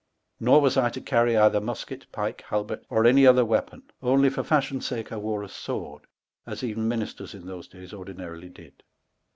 Nor was I to carrie either musquet, pike, halbert, or any other weapon, onelie for fashion sake I wore a sword, as even ministers in those dayes ordinarily did.